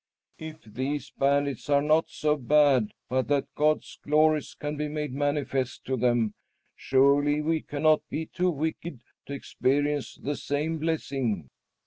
"If these bandits are not so bad but that God's glories can be made manifest to them, surely we cannot be too wicked to experience the same blessing."